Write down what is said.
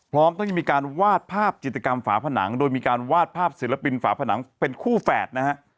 พร้อมทั้งยังมีการวาดภาพจิตกรรมฝาผนังโดยมีการวาดภาพศิลปินฝาผนังเป็นคู่แฝดนะฮะ